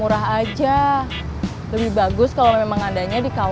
udah dulu ya